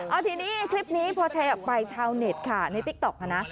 เอาทีนี้คลิปนี้พอแชร์ออกไปชาวเน็ตค่ะในติ๊กต๊อกนะ